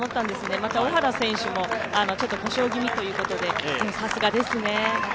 また小原選手も故障気味ということで、でもさすがですね。